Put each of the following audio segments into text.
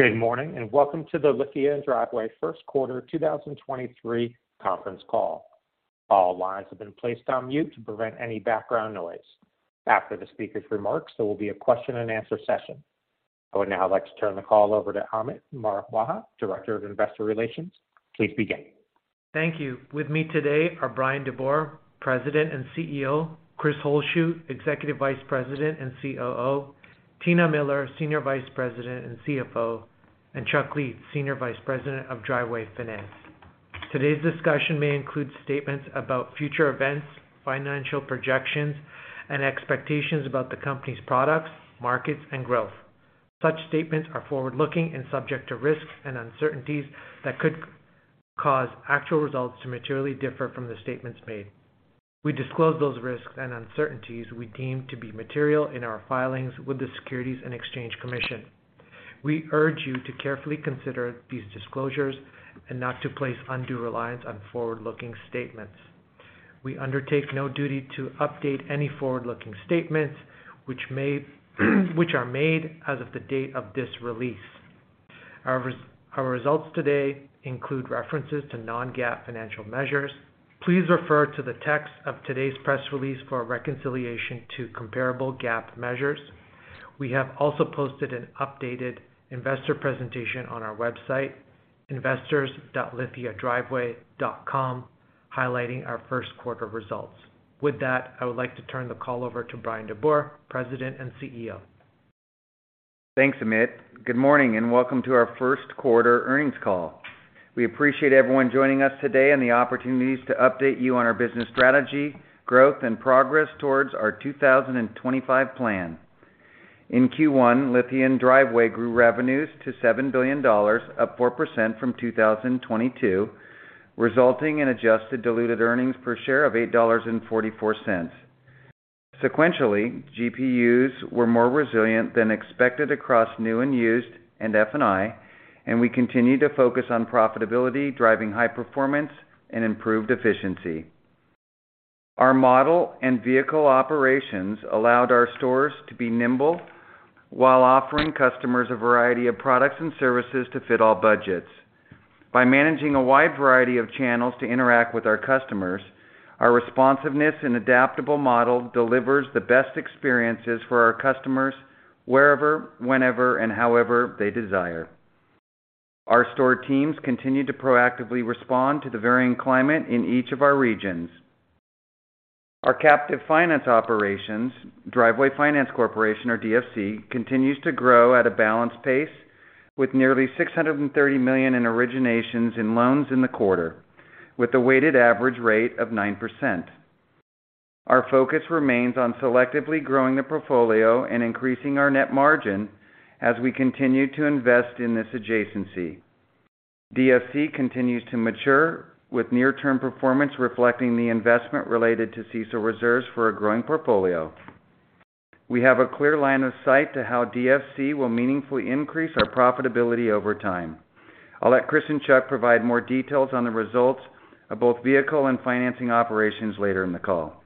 Good morning, welcome to the Lithia & Driveway First Quarter 2023 Conference Call. All lines have been placed on mute to prevent any background noise. After the speaker's remarks, there will be a question-and-answer session. I would now like to turn the call over to Amit Marwaha, Director of Investor Relations. Please begin. Thank you. With me today are Bryan DeBoer, President and CEO, Chris Holzshu, Executive Vice President and COO, Tina Miller, Senior Vice President and CFO, and Chuck Lietz, Senior Vice President of Driveway Finance. Today's discussion may include statements about future events, financial projections, and expectations about the company's products, markets, and growth. Such statements are forward-looking and subject to risks and uncertainties that could cause actual results to materially differ from the statements made. We disclose those risks and uncertainties we deem to be material in our filings with the Securities and Exchange Commission. We urge you to carefully consider these disclosures and not to place undue reliance on forward-looking statements. We undertake no duty to update any forward-looking statements which are made as of the date of this release. Our results today include references to non-GAAP financial measures. Please refer to the text of today's press release for a reconciliation to comparable GAAP measures. We have also posted an updated investor presentation on our website, investors.lithiadriveway.com, highlighting our first quarter results. With that, I would like to turn the call over to Bryan DeBoer, President and CEO. Thanks, Amit. Good morning, and welcome to our first quarter earnings call. We appreciate everyone joining us today and the opportunities to update you on our business strategy, growth, and progress towards our 2025 plan. In Q1, Lithia & Driveway grew revenues to $7 billion, up 4% from 2022, resulting in adjusted diluted earnings per share of $8.44. Sequentially, GPUs were more resilient than expected across new and used and F&I, and we continued to focus on profitability, driving high performance and improved efficiency. Our model and vehicle operations allowed our stores to be nimble while offering customers a variety of products and services to fit all budgets. By managing a wide variety of channels to interact with our customers, our responsiveness and adaptable model delivers the best experiences for our customers wherever, whenever, and however they desire. Our store teams continue to proactively respond to the varying climate in each of our regions. Our captive finance operations, Driveway Finance Corporation or DFC, continues to grow at a balanced pace with nearly $630 million in originations in loans in the quarter, with a weighted average rate of 9%. Our focus remains on selectively growing the portfolio and increasing our net margin as we continue to invest in this adjacency. DFC continues to mature with near-term performance reflecting the investment related to CECL reserves for a growing portfolio. We have a clear line of sight to how DFC will meaningfully increase our profitability over time. I'll let Chris and Chuck provide more details on the results of both vehicle and financing operations later in the call.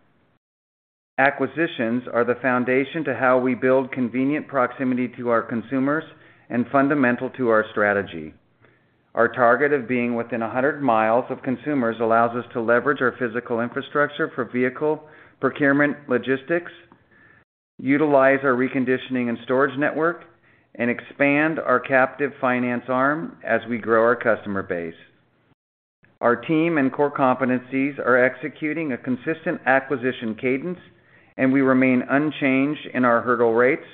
Acquisitions are the foundation to how we build convenient proximity to our consumers and fundamental to our strategy. Our target of being within 100 miles of consumers allows us to leverage our physical infrastructure for vehicle procurement logistics, utilize our reconditioning and storage network, and expand our captive finance arm as we grow our customer base. Our team and core competencies are executing a consistent acquisition cadence, and we remain unchanged in our hurdle rates,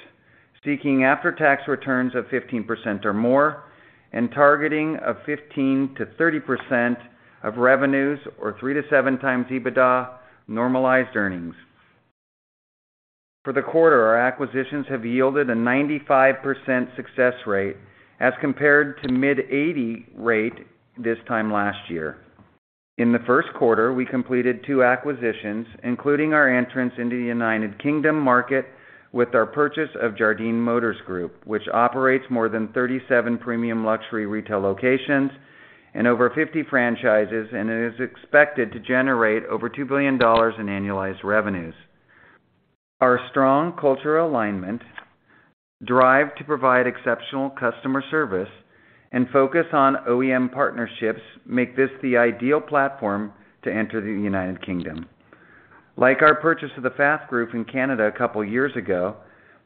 seeking after-tax returns of 15% or more and targeting of 15%-30% of revenues or 3x-7x EBITDA normalized earnings. For the quarter, our acquisitions have yielded a 95% success rate as compared to mid-80 rate this time last year. In the first quarter, we completed two acquisitions, including our entrance into the United Kingdom market with our purchase of Jardine Motors Group, which operates more than 37 premium luxury retail locations and over 50 franchises. It is expected to generate over $2 billion in annualized revenues. Our strong cultural alignment, drive to provide exceptional customer service, and focus on OEM partnerships make this the ideal platform to enter the United Kingdom. Like our purchase of the Pfaff Group in Canada a couple years ago,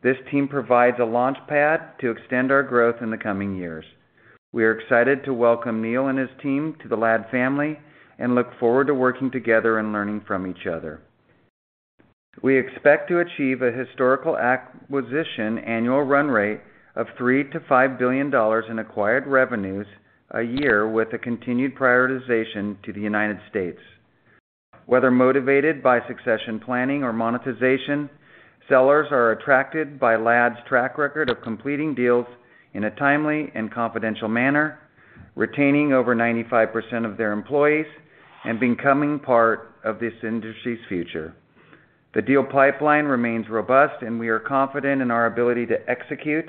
this team provides a launchpad to extend our growth in the coming years. We are excited to welcome Neil and his team to the LAD family and look forward to working together and learning from each other. We expect to achieve a historical acquisition annual run rate of $3 billion-$5 billion in acquired revenues a year with a continued prioritization to the United States. Whether motivated by succession planning or monetization, sellers are attracted by LAD's track record of completing deals in a timely and confidential manner, retaining over 95% of their employees, and becoming part of this industry's future. We are confident in our ability to execute,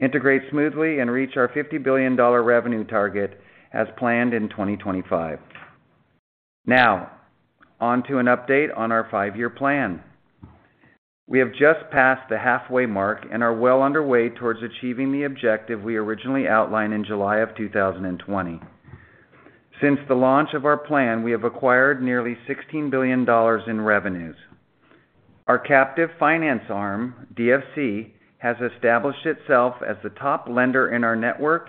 integrate smoothly, and reach our $50 billion revenue target as planned in 2025. Now, onto an update on our five-year plan. We have just passed the halfway mark and are well underway towards achieving the objective we originally outlined in July of 2020. Since the launch of our plan, we have acquired nearly $16 billion in revenues. Our captive finance arm, DFC, has established itself as the top lender in our network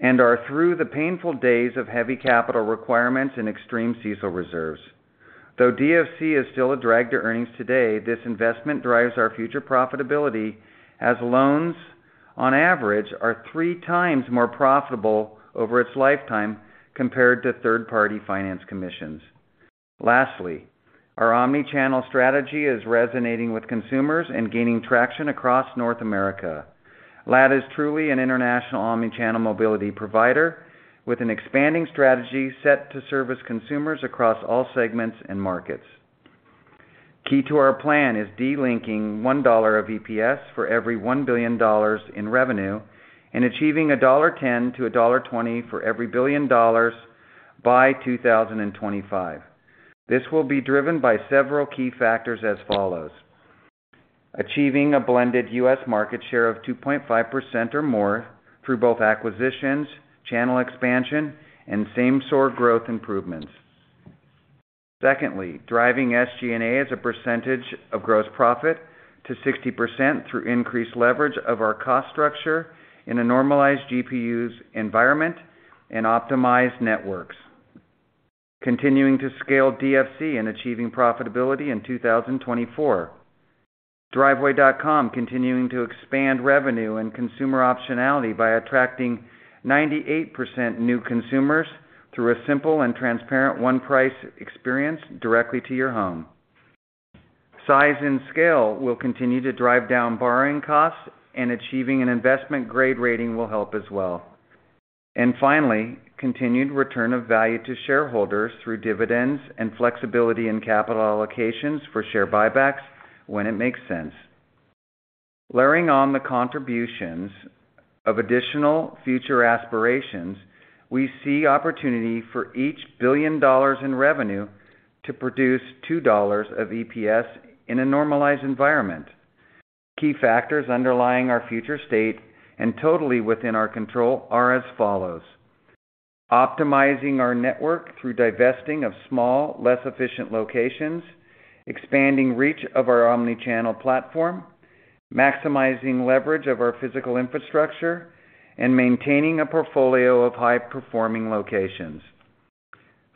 and are through the painful days of heavy capital requirements and extreme CECL reserves. Though DFC is still a drag to earnings today, this investment drives our future profitability as loans, on average, are 3x more profitable over its lifetime compared to third-party finance commissions. Lastly, our omni-channel strategy is resonating with consumers and gaining traction across North America. LAD is truly an international omni-channel mobility provider with an expanding strategy set to service consumers across all segments and markets. Key to our plan is delinking $1 of EPS for every $1 billion in revenue and achieving $1.10-$1.20 for every $1 billion by 2025. This will be driven by several key factors as follows. Achieving a blended U.S. market share of 2.5% or more through both acquisitions, channel expansion and same store growth improvements. Secondly, driving SG&A as a percentage of gross profit to 60% through increased leverage of our cost structure in a normalized GPUs environment and optimized networks. Continuing to scale DFC and achieving profitability in 2024. Driveway.com continuing to expand revenue and consumer optionality by attracting 98% new consumers through a simple and transparent one-price experience directly to your home. Size and scale will continue to drive down borrowing costs. Achieving an investment grade rating will help as well. Finally, continued return of value to shareholders through dividends and flexibility in capital allocations for share buybacks when it makes sense. Layering on the contributions of additional future aspirations, we see opportunity for each $1 billion in revenue to produce $2 of EPS in a normalized environment. Key factors underlying our future state and totally within our control are as follows. Optimizing our network through divesting of small, less efficient locations, expanding reach of our omni-channel platform, maximizing leverage of our physical infrastructure and maintaining a portfolio of high-performing locations.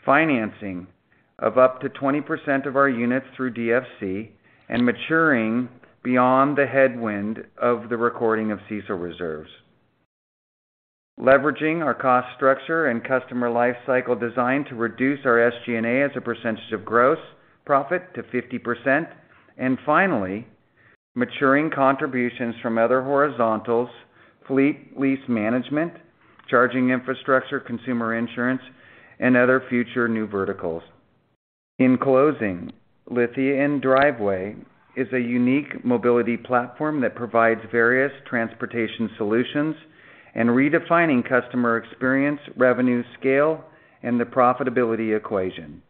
Financing of up to 20% of our units through DFC and maturing beyond the headwind of the recording of CECL reserves. Leveraging our cost structure and customer life cycle design to reduce our SG&A as a percentage of gross profit to 50%. Finally, maturing contributions from other horizontals, fleet lease management, charging infrastructure, consumer insurance, and other future new verticals. In closing, Lithia & Driveway is a unique mobility platform that provides various transportation solutions and redefining customer experience, revenue scale, and the profitability equation.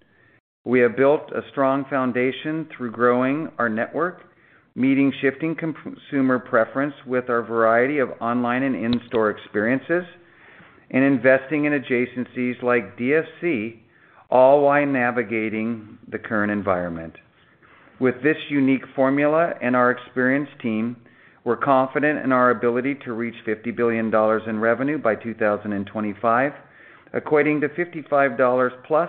We have built a strong foundation through growing our network, meeting shifting consumer preference with our variety of online and in-store experiences, and investing in adjacencies like DFC, all while navigating the current environment. With this unique formula and our experienced team, we're confident in our ability to reach $50 billion in revenue by 2025, equating to $55+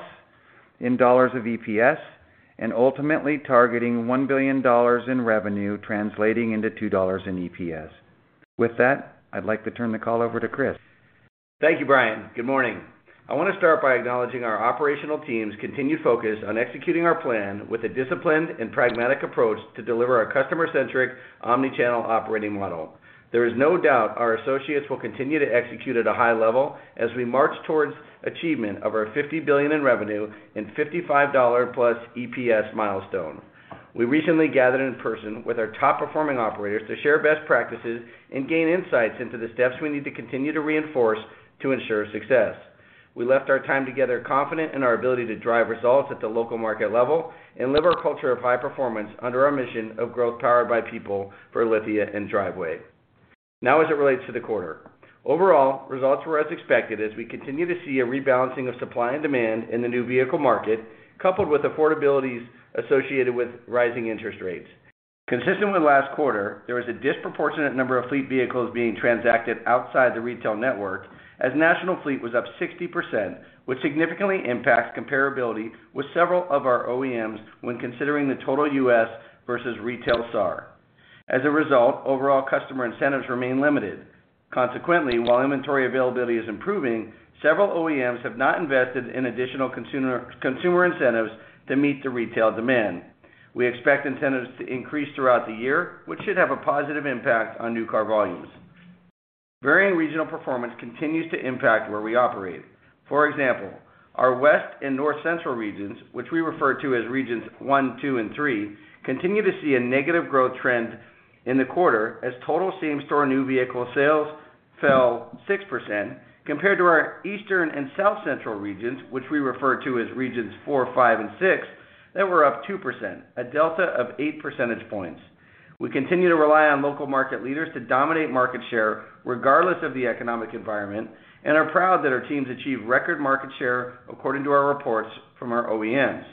in dollars of EPS, and ultimately targeting $1 billion in revenue translating into $2 in EPS. With that, I'd like to turn the call over to Chris. Thank you, Bryan. Good morning. I want to start by acknowledging our operational team's continued focus on executing our plan with a disciplined and pragmatic approach to deliver our customer-centric omni-channel operating model. There is no doubt our associates will continue to execute at a high level as we march towards achievement of our $50 billion in revenue and $55+ EPS milestone. We recently gathered in person with our top-performing operators to share best practices and gain insights into the steps we need to continue to reinforce to ensure success. We left our time together confident in our ability to drive results at the local market level and live our culture of high performance under our mission of growth powered by people for Lithia & Driveway. As it relates to the quarter. Overall, results were as expected as we continue to see a rebalancing of supply and demand in the new vehicle market, coupled with affordabilities associated with rising interest rates. Consistent with last quarter, there was a disproportionate number of fleet vehicles being transacted outside the retail network as national fleet was up 60%, which significantly impacts comparability with several of our OEMs when considering the total US versus retail SAR. As a result, overall customer incentives remain limited. Consequently, while inventory availability is improving, several OEMs have not invested in additional consumer incentives to meet the retail demand. We expect incentives to increase throughout the year, which should have a positive impact on new car volumes. Varying regional performance continues to impact where we operate. For example, our West and North Central regions, which we refer to as regions 1, 2 and 3, continue to see a negative growth trend in the quarter as total same-store new vehicle sales fell 6% compared to our eastern and south central regions, which we refer to as regions 4, 5, and 6, that were up 2%, a delta of 8 percentage points. We continue to rely on local market leaders to dominate market share regardless of the economic environment, and are proud that our teams achieved record market share according to our reports from our OEMs.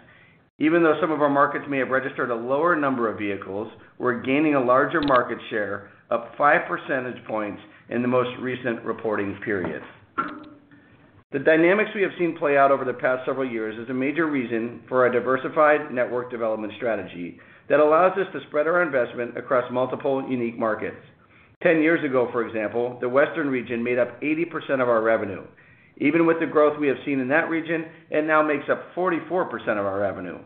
Even though some of our markets may have registered a lower number of vehicles, we're gaining a larger market share, up 5 percentage points in the most recent reporting periods. The dynamics we have seen play out over the past several years is a major reason for our diversified network development strategy that allows us to spread our investment across multiple unique markets. 10 years ago, for example, the western region made up 80% of our revenue. Even with the growth we have seen in that region, it now makes up 44% of our revenue.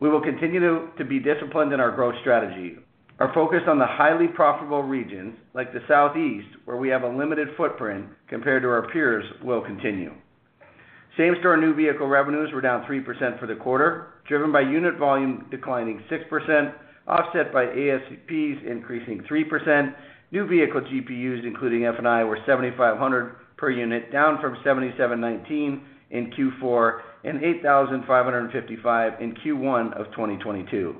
We will continue to be disciplined in our growth strategy. Our focus on the highly profitable regions, like the Southeast, where we have a limited footprint compared to our peers, will continue. Same-store new vehicle revenues were down 3% for the quarter, driven by unit volume declining 6%, offset by ASPs increasing 3%. New vehicle GPUs, including F&I, were 7,500 per unit, down from 7,719 in Q4 and 8,555 in Q1 of 2022.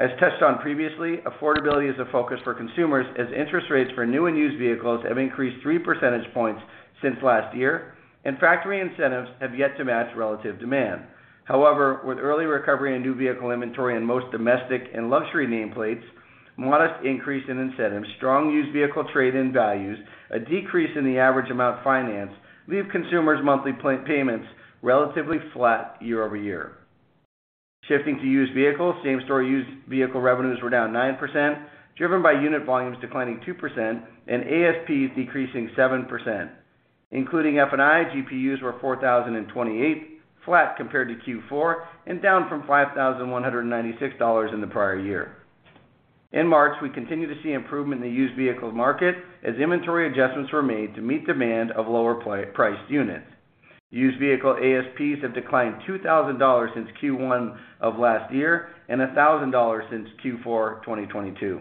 As touched on previously, affordability is a focus for consumers as interest rates for new and used vehicles have increased 3 percentage points since last year, factory incentives have yet to match relative demand. With early recovery in new vehicle inventory in most domestic and luxury nameplates, modest increase in incentives, strong used vehicle trade-in values, a decrease in the average amount financed leave consumers' monthly payments relatively flat year-over-year. Shifting to used vehicles, same-store used vehicle revenues were down 9%, driven by unit volumes declining 2% and ASPs decreasing 7%. Including F&I, GPUs were $4,028, flat compared to Q4 and down from $5,196 in the prior year. In March, we continued to see improvement in the used vehicle market as inventory adjustments were made to meet demand of lower priced units. Used vehicle ASPs have declined $2,000 since Q1 of last year and $1,000 since Q4 2022.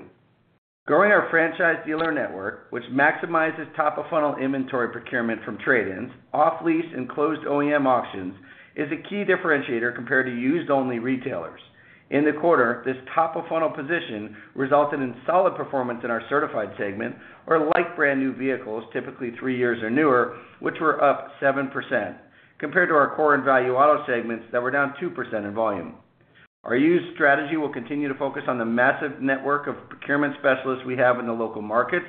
Growing our franchise dealer network, which maximizes top-of-funnel inventory procurement from trade-ins, off-lease, and closed OEM auctions, is a key differentiator compared to used-only retailers. In the quarter, this top-of-funnel position resulted in solid performance in our certified segment, or like-brand-new vehicles, typically 3 years or newer, which were up 7%, compared to our core and value auto segments that were down 2% in volume. Our used strategy will continue to focus on the massive network of procurement specialists we have in the local markets,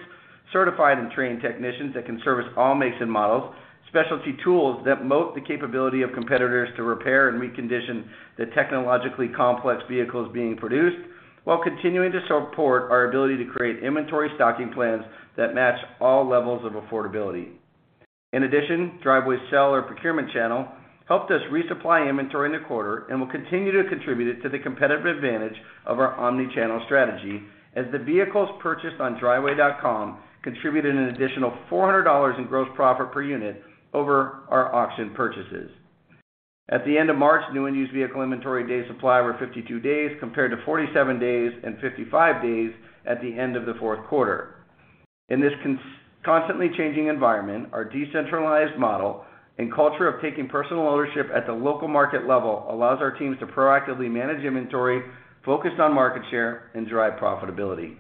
certified and trained technicians that can service all makes and models, specialty tools that moat the capability of competitors to repair and recondition the technologically complex vehicles being produced, while continuing to support our ability to create inventory stocking plans that match all levels of affordability. In addition, Driveway's seller procurement channel helped us resupply inventory in the quarter and will continue to contribute to the competitive advantage of our omni-channel strategy as the vehicles purchased on Driveway.com contributed an additional $400 in Gross Profit per Unit over our auction purchases. At the end of March, new and used vehicle inventory days supply were 52 days compared to 47 days and 55 days at the end of the fourth quarter. In this constantly changing environment, our decentralized model and culture of taking personal ownership at the local market level allows our teams to proactively manage inventory, focus on market share, and drive profitability.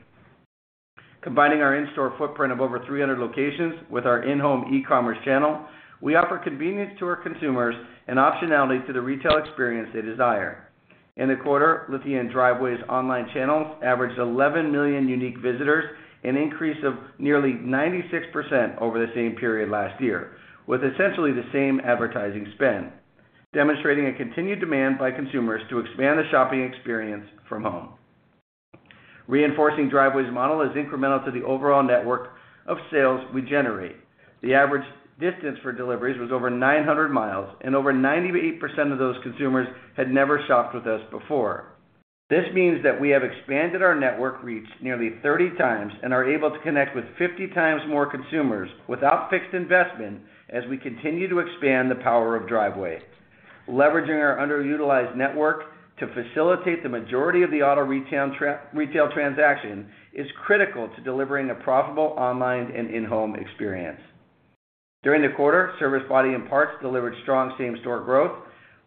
Combining our in-store footprint of over 300 locations with our in-home e-commerce channel, we offer convenience to our consumers and optionality to the retail experience they desire. In the quarter, Lithia & Driveway's online channels averaged 11 million unique visitors, an increase of nearly 96% over the same period last year, with essentially the same advertising spend, demonstrating a continued demand by consumers to expand the shopping experience from home. Reinforcing Driveway's model is incremental to the overall network of sales we generate. The average distance for deliveries was over 900 miles, and over 98% of those consumers had never shopped with us before. This means that we have expanded our network reach nearly 30x and are able to connect with 50x more consumers without fixed investment as we continue to expand the power of Driveway. Leveraging our underutilized network to facilitate the majority of the auto retail retail transaction is critical to delivering a profitable online and in-home experience. During the quarter, service body and parts delivered strong same-store growth,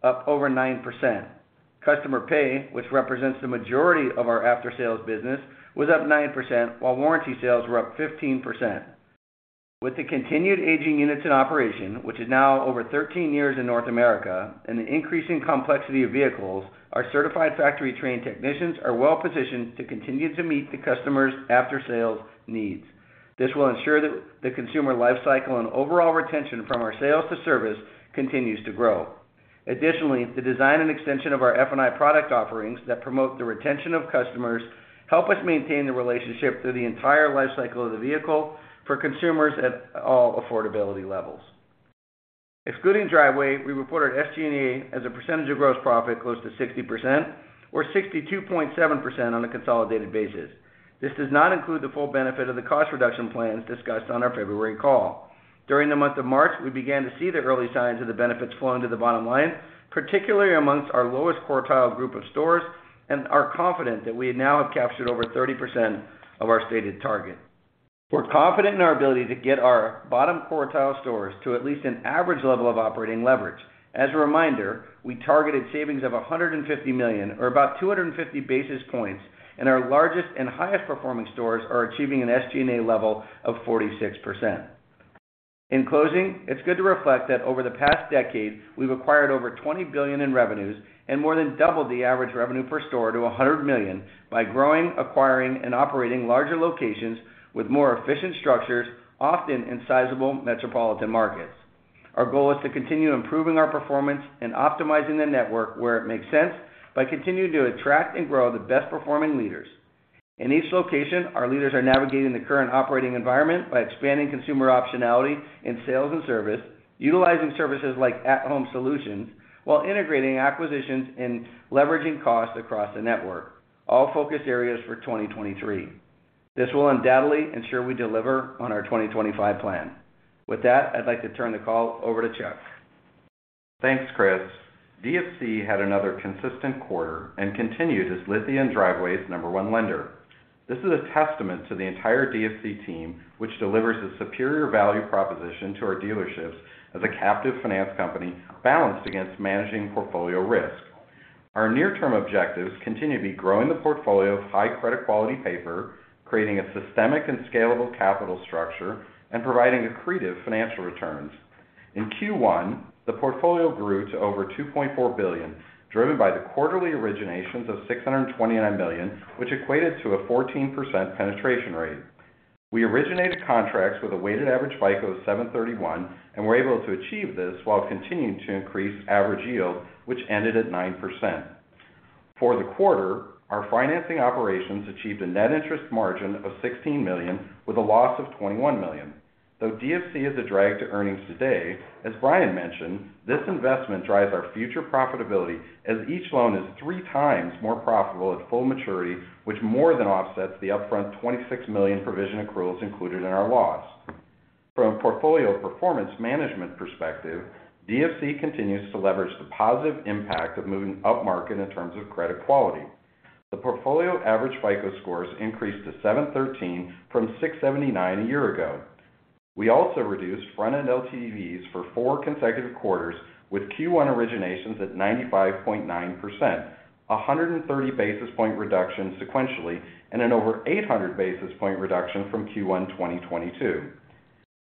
up over 9%. Customer pay, which represents the majority of our after-sales business, was up 9%, while warranty sales were up 15%. With the continued aging units in operation, which is now over 13 years in North America, and the increasing complexity of vehicles, our certified factory-trained technicians are well-positioned to continue to meet the customer's after-sales needs. This will ensure that the consumer life cycle and overall retention from our sales to service continues to grow. The design and extension of our F&I product offerings that promote the retention of customers help us maintain the relationship through the entire life cycle of the vehicle for consumers at all affordability levels. Excluding Driveway, we report our SG&A as a percentage of gross profit close to 60%, or 62.7% on a consolidated basis. This does not include the full benefit of the cost reduction plans discussed on our February call. During the month of March, we began to see the early signs of the benefits flowing to the bottom line, particularly amongst our lowest quartile group of stores, and are confident that we now have captured over 30% of our stated target. We're confident in our ability to get our bottom quartile stores to at least an average level of operating leverage. As a reminder, we targeted savings of $150 million or about 250 basis points, and our largest and highest performing stores are achieving an SG&A level of 46%. In closing, it's good to reflect that over the past decade, we've acquired over $20 billion in revenues and more than doubled the average revenue per store to $100 million by growing, acquiring, and operating larger locations with more efficient structures, often in sizable metropolitan markets. Our goal is to continue improving our performance and optimizing the network where it makes sense by continuing to attract and grow the best-performing leaders. In each location, our leaders are navigating the current operating environment by expanding consumer optionality in sales and service, utilizing services like at-home solutions, while integrating acquisitions and leveraging costs across the network, all focus areas for 2023. This will undoubtedly ensure we deliver on our 2025 plan. With that, I'd like to turn the call over to Chuck. Thanks, Chris. DFC had another consistent quarter and continued as Lithia & Driveway's number one lender. This is a testament to the entire DFC team, which delivers a superior value proposition to our dealerships as a captive finance company balanced against managing portfolio risk. Our near-term objectives continue to be growing the portfolio of high credit quality paper, creating a systemic and scalable capital structure, and providing accretive financial returns. In Q1, the portfolio grew to over $2.4 billion, driven by the quarterly originations of $629 million, which equated to a 14% penetration rate. We originated contracts with a weighted average FICO of 731, we're able to achieve this while continuing to increase average yield, which ended at 9%. For the quarter, our financing operations achieved a net interest margin of $16 million with a loss of $21 million. DFC is a drag to earnings today, as Bryan mentioned, this investment drives our future profitability as each loan is 3x more profitable at full maturity, which more than offsets the upfront $26 million provision accruals included in our loss. From a portfolio performance management perspective, DFC continues to leverage the positive impact of moving upmarket in terms of credit quality. The portfolio average FICO scores increased to 713 from 679 a year ago. We also reduced front-end LTVs for four consecutive quarters with Q1 originations at 95.9%, a 130 basis point reduction sequentially, and an over 800 basis point reduction from Q1 2022.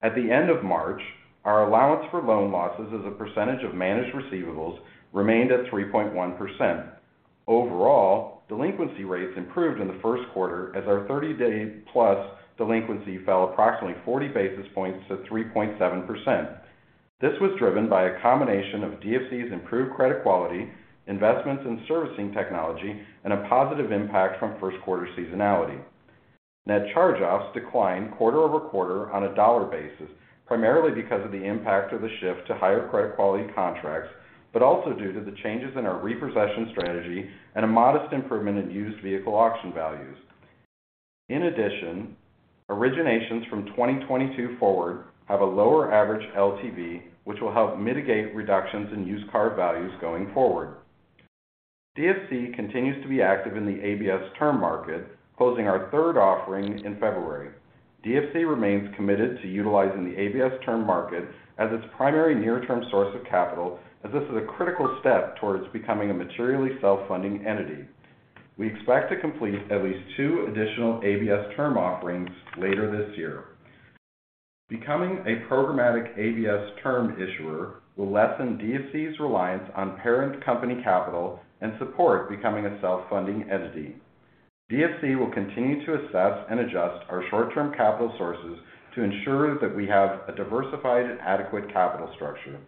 At the end of March, our allowance for loan losses as a percentage of managed receivables remained at 3.1%. Overall, delinquency rates improved in the first quarter as our 30-day-plus delinquency fell approximately 40 basis points to 3.7%. This was driven by a combination of DFC's improved credit quality, investments in servicing technology, and a positive impact from first quarter seasonality. Net charge-offs declined quarter-over-quarter on a dollar basis, primarily because of the impact of the shift to higher credit quality contracts, but also due to the changes in our repossession strategy and a modest improvement in used vehicle auction values. In addition, originations from 2022 forward have a lower average LTV, which will help mitigate reductions in used car values going forward. DFC continues to be active in the ABS term market, closing our 3rd offering in February. DFC remains committed to utilizing the ABS term market as its primary near-term source of capital, as this is a critical step towards becoming a materially self-funding entity. We expect to complete at least two additional ABS term offerings later this year. Becoming a programmatic ABS term issuer will lessen DFC's reliance on parent company capital and support becoming a self-funding entity. DFC will continue to assess and adjust our short-term capital sources to ensure that we have a diversified and adequate capital structure.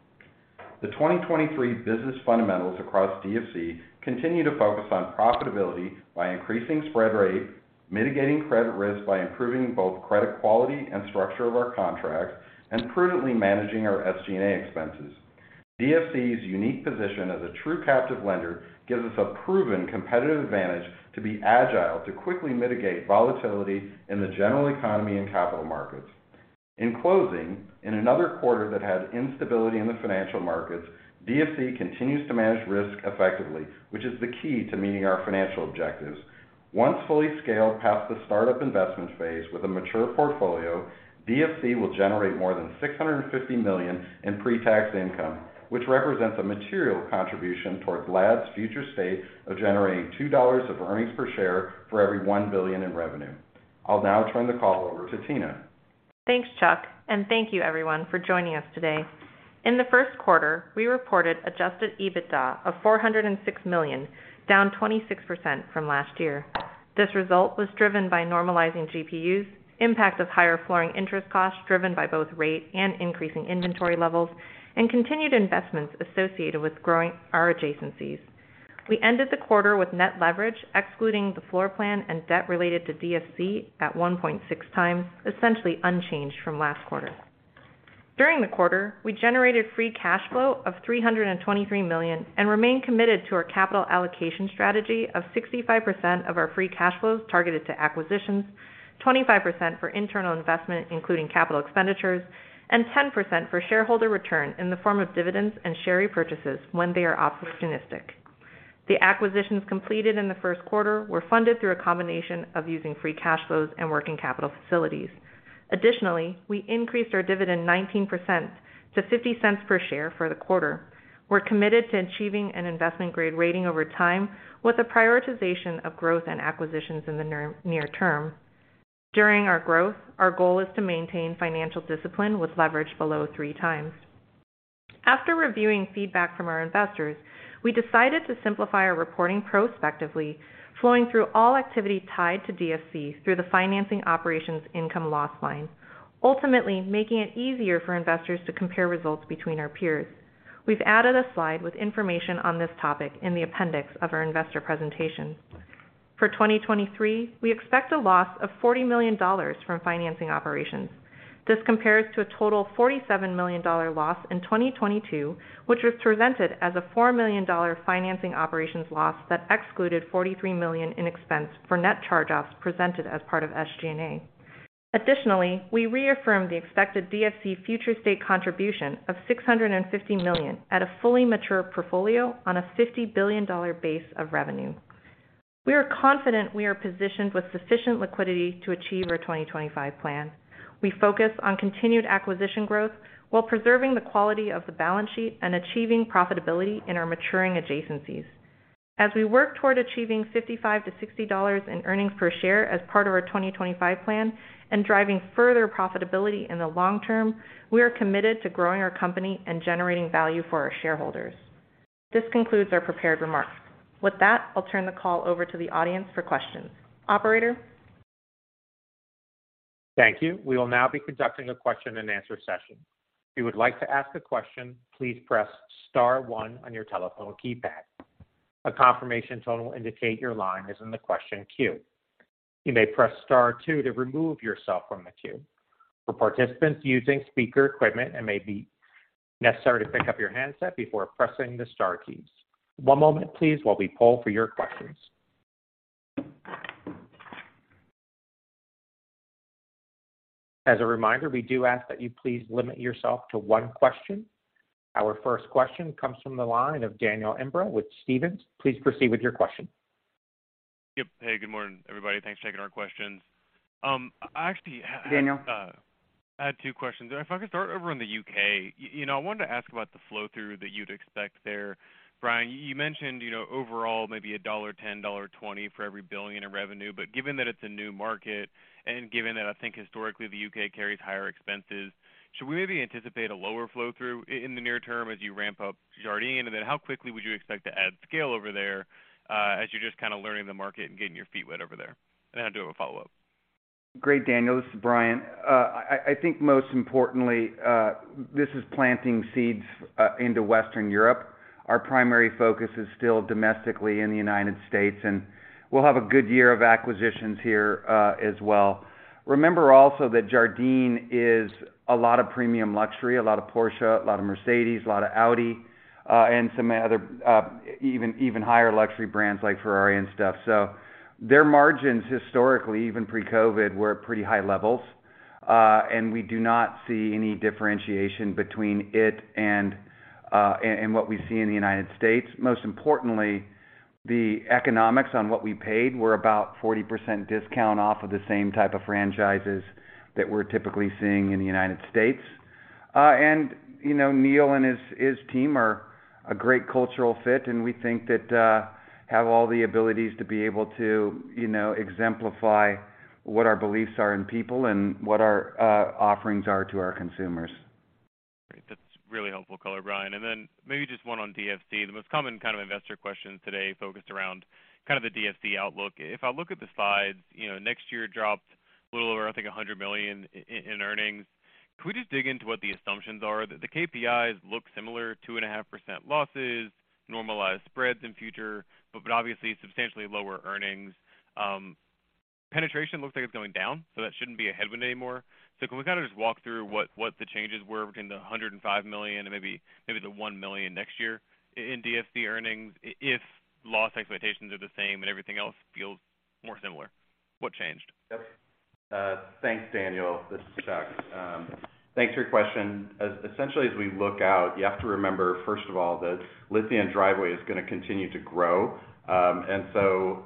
The 2023 business fundamentals across DFC continue to focus on profitability by increasing spread rate, mitigating credit risk by improving both credit quality and structure of our contracts, and prudently managing our SG&A expenses. DFC's unique position as a true captive lender gives us a proven competitive advantage to be agile to quickly mitigate volatility in the general economy and capital markets. In closing, in another quarter that had instability in the financial markets, DFC continues to manage risk effectively, which is the key to meeting our financial objectives. Once fully scaled past the startup investment phase with a mature portfolio, DFC will generate more than $650 million in pre-tax income, which represents a material contribution towards LAD's future state of generating $2 of earnings per share for every $1 billion in revenue. I'll now turn the call over to Tina. Thanks, Chuck, and thank you everyone for joining us today. In the first quarter, we reported Adjusted EBITDA of $406 million, down 26% from last year. This result was driven by normalizing GPUs, impact of higher flooring interest costs driven by both rate and increasing inventory levels, and continued investments associated with growing our adjacencies. We ended the quarter with net leverage, excluding the floor plan and debt related to DFC at 1.6x, essentially unchanged from last quarter. During the quarter, we generated free cash flow of $323 million and remain committed to our capital allocation strategy of 65% of our free cash flows targeted to acquisitions, 25% for internal investment, including capital expenditures, and 10% for shareholder return in the form of dividends and share repurchases when they are opportunistic. The acquisitions completed in the first quarter were funded through a combination of using free cash flows and working capital facilities. Additionally, we increased our dividend 19% to $0.50 per share for the quarter. We're committed to achieving an investment-grade rating over time with a prioritization of growth and acquisitions in the near term. During our growth, our goal is to maintain financial discipline with leverage below 3x. After reviewing feedback from our investors, we decided to simplify our reporting prospectively, flowing through all activity tied to DFC through the financing operations income loss line, ultimately making it easier for investors to compare results between our peers. We've added a slide with information on this topic in the appendix of our investor presentation. For 2023, we expect a loss of $40 million from financing operations. This compares to a total $47 million loss in 2022, which was presented as a $4 million financing operations loss that excluded $43 million in expense for net charge-offs presented as part of SG&A. We reaffirm the expected DFC future state contribution of $650 million at a fully mature portfolio on a $50 billion base of revenue. We are confident we are positioned with sufficient liquidity to achieve our 2025 plan. We focus on continued acquisition growth while preserving the quality of the balance sheet and achieving profitability in our maturing adjacencies. As we work toward achieving $55-$60 in earnings per share as part of our 2025 plan and driving further profitability in the long term, we are committed to growing our company and generating value for our shareholders. This concludes our prepared remarks. With that, I'll turn the call over to the audience for questions. Operator? Thank you. We will now be conducting a question-and-answer session. If you would like to ask a question, please press star one on your telephone keypad. A confirmation tone will indicate your line is in the question queue. You may press star two to remove yourself from the queue. For participants using speaker equipment, it may be necessary to pick up your handset before pressing the star keys. One moment please while we poll for your questions. As a reminder, we do ask that you please limit yourself to one question. Our first question comes from the line of Daniel Imbro with Stephens. Please proceed with your question. Yep. Hey, good morning, everybody. Thanks for taking our questions. I had two questions. If I could start over in the U.K. You know, I wanted to ask about the flow-through that you'd expect there. Bryan, you mentioned, you know, overall maybe $1.10, $1.20 for every $1 billion in revenue. But given that it's a new market and given that I think historically the U.K. carries higher expenses, should we maybe anticipate a lower flow-through in the near term as you ramp up Jardine? How quickly would you expect to add scale over there, as you're just kinda learning the market and getting your feet wet over there? I do have a follow-up. Great, Daniel. This is Bryan. I think most importantly, this is planting seeds into Western Europe. Our primary focus is still domestically in the United States, and we'll have a good year of acquisitions here as well. Remember also that Jardine is a lot of premium luxury, a lot of Porsche, a lot of Mercedes, a lot of Audi, and some other even higher luxury brands like Ferrari and stuff. Their margins historically, even pre-COVID, were at pretty high levels. We do not see any differentiation between it and what we see in the United States. Most importantly, the economics on what we paid were about 40% discount off of the same type of franchises that we're typically seeing in the United States. you know, Neil and his team are a great cultural fit, and we think that have all the abilities to be able to, you know, exemplify what our beliefs are in people and what our offerings are to our consumers. Great. That's really helpful color, Bryan. Maybe just one on DFC. The most common kind of investor question today focused around kind of the DFC outlook. If I look at the slides, you know, next year dropped a little over, I think, $100 million in earnings. Could we just dig into what the assumptions are? The KPIs look similar, 2.5% losses, normalized spreads in future, but obviously substantially lower earnings. Penetration looks like it's going down, that shouldn't be a headwind anymore. Can we kind of just walk through what the changes were between the $105 million and maybe the $1 million next year in DFC earnings if loss expectations are the same and everything else feels more similar, what changed? Thanks, Daniel. This is Chuck. Thanks for your question. As we look out, you have to remember, first of all, that Lithia & Driveway is gonna continue to grow.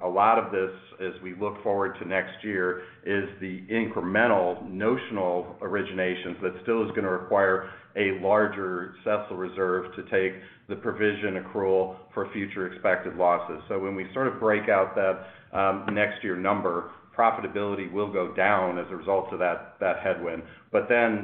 A lot of this, as we look forward to next year, is the incremental notional originations that still is gonna require a larger CECL reserve to take the provision accrual for future expected losses. When we sort of break out that next year number, profitability will go down as a result of that headwind.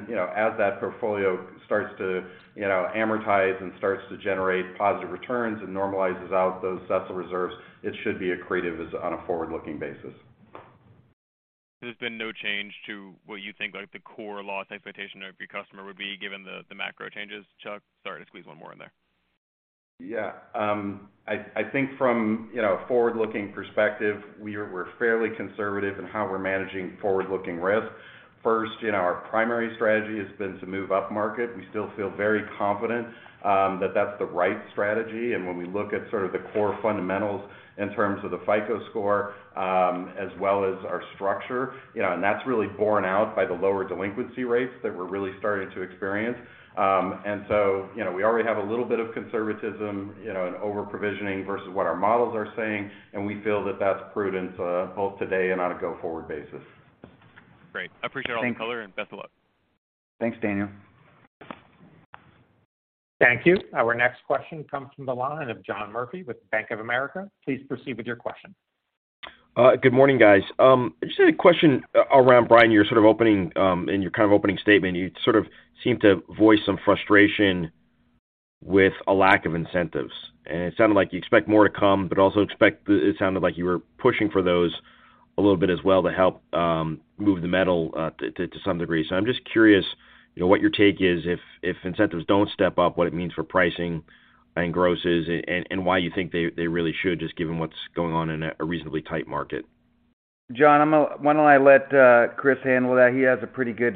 You know, as that portfolio starts to, you know, amortize and starts to generate positive returns and normalizes out those CECL reserves, it should be accretive as on a forward-looking basis. There's been no change to what you think, like, the core loss expectation of your customer would be given the macro changes, Chuck? Sorry, to squeeze one more in there. Yeah. I think from, you know, a forward-looking perspective, we're fairly conservative in how we're managing forward-looking risks. First, you know, our primary strategy has been to move upmarket. We still feel very confident that that's the right strategy. When we look at sort of the core fundamentals in terms of the FICO score, as well as our structure, you know, that's really borne out by the lower delinquency rates that we're really starting to experience. You know, we already have a little bit of conservatism, you know, in over-provisioning versus what our models are saying, and we feel that that's prudent both today and on a go-forward basis. Great. I appreciate all the color and best of luck. Thanks, Daniel. Thank you. Our next question comes from the line of John Murphy with Bank of America. Please proceed with your question. Good morning, guys. Just a question around Bryan, you're sort of opening, in your kind of opening statement, you sort of seemed to voice some frustration with a lack of incentives. It sounded like you expect more to come, but also expect it sounded like you were pushing for those a little bit as well to help move the metal to some degree. I'm just curious, you know, what your take is if incentives don't step up, what it means for pricing and grosses and why you think they really should just given what's going on in a reasonably tight market. John, why don't I let Chris handle that? He has a pretty good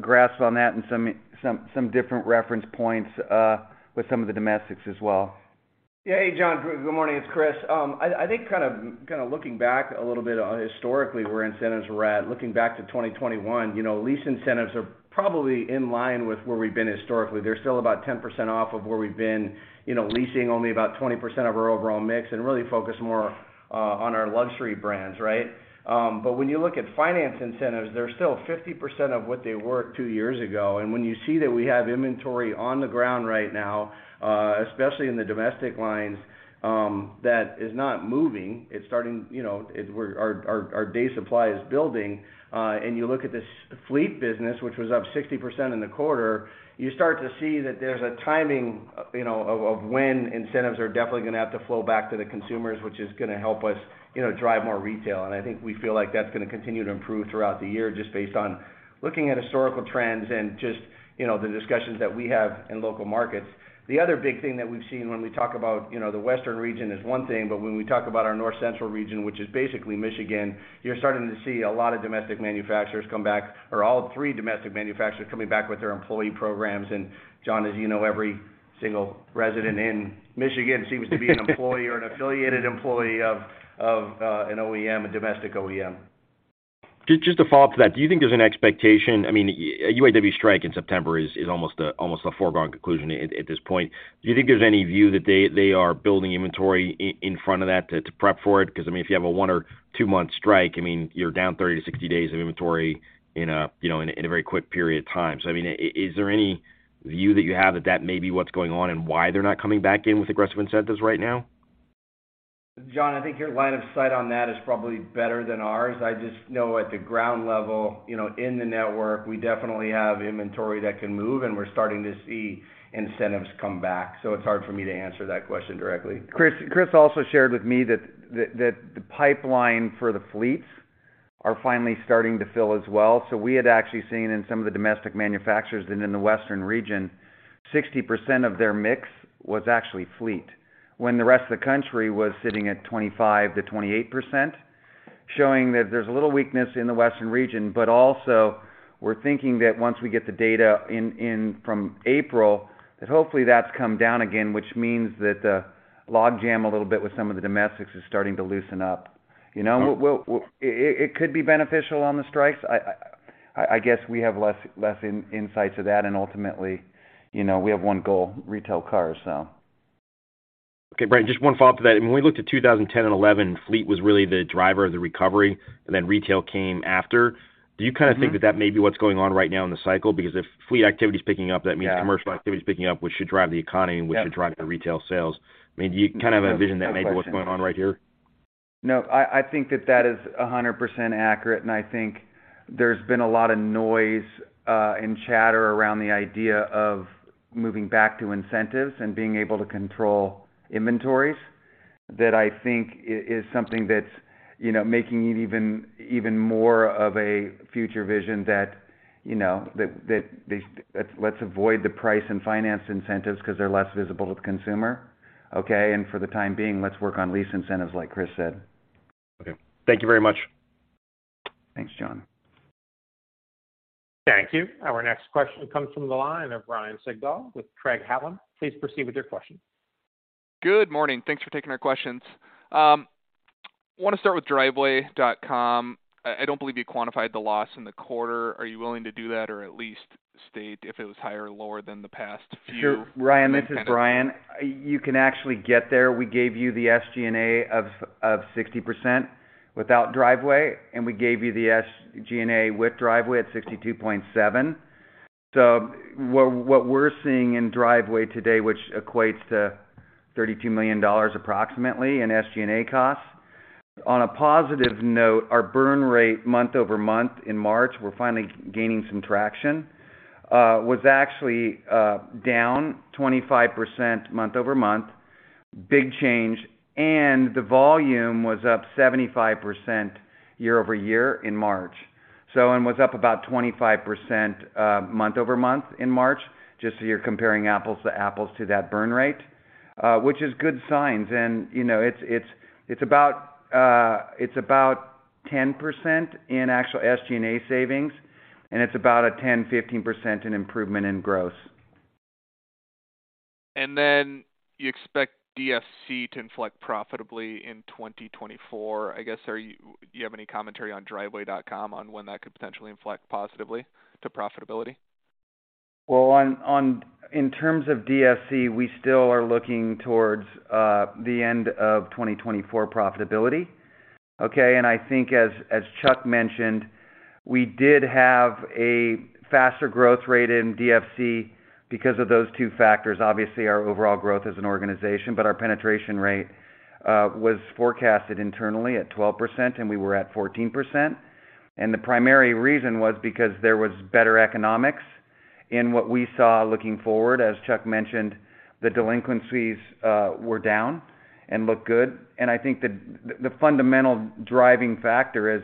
grasp on that and some different reference points with some of the domestics as well. Hey, John. Good morning. It's Chris. I think kind of looking back a little bit historically where incentives were at, looking back to 2021, you know, lease incentives are probably in line with where we've been historically. They're still about 10% off of where we've been, you know, leasing only about 20% of our overall mix and really focus more on our luxury brands, right? When you look at finance incentives, they're still 50% of what they were two years ago. When you see that we have inventory on the ground right now, especially in the domestic lines, that is not moving, it's starting, you know, our day supply is building, and you look at the fleet business, which was up 60% in the quarter, you start to see that there's a timing, you know, of when incentives are definitely gonna have to flow back to the consumers, which is gonna help us, you know, drive more retail. I think we feel like that's gonna continue to improve throughout the year just based on looking at historical trends and just, you know, the discussions that we have in local markets. The other big thing that we've seen when we talk about, you know, the Western Region is one thing, but when we talk about our North Central Region, which is basically Michigan, you're starting to see a lot of domestic manufacturers come back, or all three domestic manufacturers coming back with their employee programs. John, as you know, every single resident in Michigan seems to be an employee or an affiliated employee of an OEM, a domestic OEM. Just to follow-up to that, do you think there's an expectation? I mean, a UAW strike in September is almost a foregone conclusion at this point. Do you think there's any view that they are building inventory in front of that to prep for it? Because, I mean, if you have a one or two-month strike, I mean, you're down 30 to 60 days of inventory in a, you know, in a very quick period of time. I mean, is there any view that you have that may be what's going on and why they're not coming back in with aggressive incentives right now? John, I think your line of sight on that is probably better than ours. I just know at the ground level, you know, in the network, we definitely have inventory that can move, and we're starting to see incentives come back. It's hard for me to answer that question directly. Chris also shared with me that the pipeline for the fleets are finally starting to fill as well. We had actually seen in some of the domestic manufacturers and in the Western region, 60% of their mix was actually fleet, when the rest of the country was sitting at 25%-28%, showing that there's a little weakness in the Western region. Also we're thinking that once we get the data in from April, that hopefully that's come down again, which means that the log jam a little bit with some of the domestics is starting to loosen up. You know? We'll, it could be beneficial on the strikes. I guess we have less insights of that, and ultimately, you know, we have one goal: retail cars, so. Bryan, just one follow-up to that. When we looked at 2010 and 2011, fleet was really the driver of the recovery, and then retail came after. Do you kind of think that that may be what's going on right now in the cycle? If fleet activity is picking up, that means commercial activity is picking up, which should drive the economy, and which should drive the retail sales. I mean, do you kind of have a vision that may be what's going on right here? No. I think that is 100% accurate. I think there's been a lot of noise, and chatter around the idea of moving back to incentives and being able to control inventories. That I think is something that's, you know, making it even more of a future vision that, you know, that they let's avoid the price and finance incentives because they're less visible to the consumer, okay. For the time being, let's work on lease incentives, like Chris said. Okay. Thank you very much. Thanks, John. Thank you. Our next question comes from the line of Ryan Sigdahl with Craig-Hallum. Please proceed with your question. Good morning. Thanks for taking our questions. wanna start with Driveway.com. I don't believe you quantified the loss in the quarter. Are you willing to do that or at least state if it was higher or lower than the past few? Sure. Ryan, this is Bryan. You can actually get there. We gave you the SG&A of 60% without Driveway. We gave you the SG&A with Driveway at 62.7%. What we're seeing in Driveway today, which equates to approximately $32 million in SG&A costs. On a positive note, our burn rate month-over-month in March, we're finally gaining some traction, was actually down 25% month-over-month. Big change. The volume was up 75% year-over-year in March. Was up about 25% month-over-month in March, just so you're comparing apples to apples to that burn rate, which is good signs. You know, it's about 10% in actual SG&A savings. It's about a 10%-15% in improvement in gross. You expect DFC to inflect profitably in 2024. I guess, do you have any commentary on Driveway.com on when that could potentially inflect positively to profitability? Well, in terms of DFC, we still are looking towards the end of 2024 profitability, okay? I think as Chuck mentioned, we did have a faster growth rate in DFC because of those two factors. Obviously, our overall growth as an organization, but our penetration rate was forecasted internally at 12%, and we were at 14%. The primary reason was because there was better economics in what we saw looking forward. As Chuck mentioned, the delinquencies were down and look good. I think the fundamental driving factor is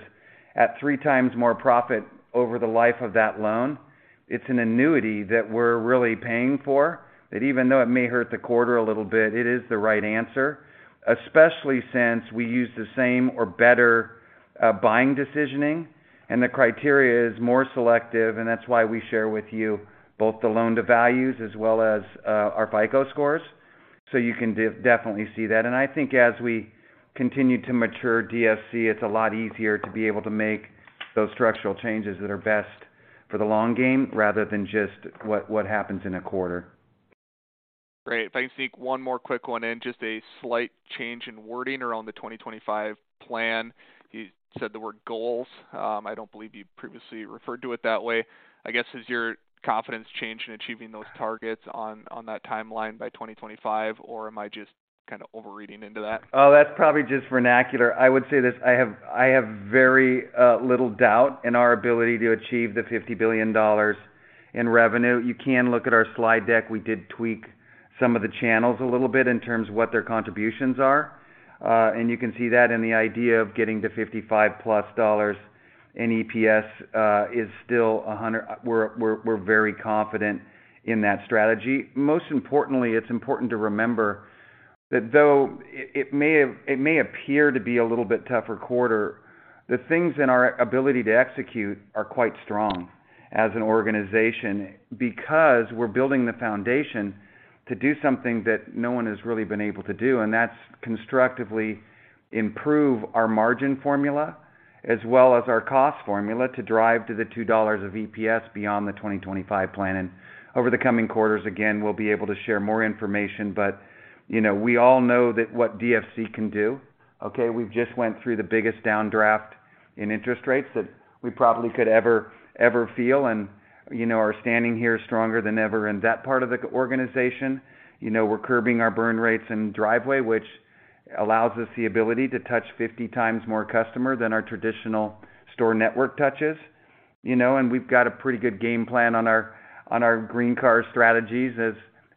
at 3x more profit over the life of that loan, it's an annuity that we're really paying for that even though it may hurt the quarter a little bit, it is the right answer. Especially since we use the same or better, buying decisioning, and the criteria is more selective, and that's why we share with you both the loan-to-values as well as, our FICO scores, so you can definitely see that. I think as we continue to mature DFC, it's a lot easier to be able to make those structural changes that are best for the long game rather than just what happens in a quarter. Great. If I can sneak one more quick one in. Just a slight change in wording around the 2025 plan. You said the word goals. I don't believe you previously referred to it that way. I guess, has your confidence changed in achieving those targets on that timeline by 2025, or am I just kind of overreading into that? Oh, that's probably just vernacular. I have very little doubt in our ability to achieve the $50 billion in revenue. You can look at our slide deck. We did tweak some of the channels a little bit in terms of what their contributions are, and you can see that in the idea of getting to $55+ dollars in EPS, is still a hundred. We're very confident in that strategy. Most importantly, it's important to remember that though it may appear to be a little bit tougher quarter, the things in our ability to execute are quite strong as an organization because we're building the foundation to do something that no one has really been able to do, and that's constructively improve our margin formula as well as our cost formula to drive to the $2 of EPS beyond the 2025 plan. Over the coming quarters, again, we'll be able to share more information. You know, we all know that what DFC can do, okay? We've just went through the biggest downdraft in interest rates that we probably could ever feel. You know, our standing here is stronger than ever in that part of the organization. You know, we're curbing our burn rates in Driveway, which allows us the ability to touch 50x more customer than our traditional store network touches. You know, we've got a pretty good game plan on our, on our green car strategies